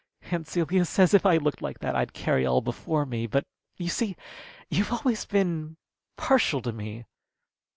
Aunt Celia says if I looked like that I'd carry all before me. But, you see, you've always been partial to me."